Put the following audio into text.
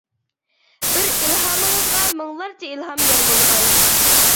بىر ئىلھامىڭىزغا مىڭلارچە ئىلھام يار بولغاي!